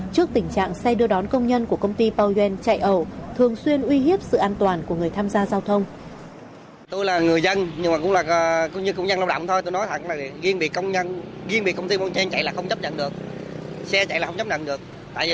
trước tình trạng xe đưa đón công nhân của công ty pauen chạy ẩu thường xuyên uy hiếp sự an toàn của người tham gia giao thông